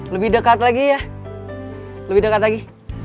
lebih dekat lagi ya lebih dekat lagi